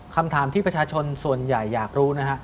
คำถามที่ประชาชนส่วนใหญ่อยากรู้นะฮะ